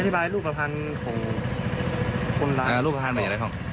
หลูกประพันธ์มันอะไรครับ